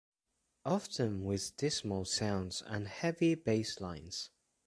Often with dismal sounds and heavy basslines.